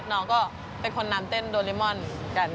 น้องก็เป็นคนนำเต้นโดริมอนกัน